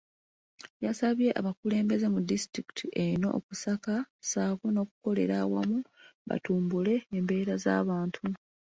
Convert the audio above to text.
Yasabye abakulembeze mu disitulikiti eno okusaka ssaako n’okukolera awamu batumbule embeera z’abantu .